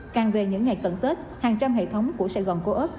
càng về những ngày cận tết hàng trăm hệ thống của sài gòn co op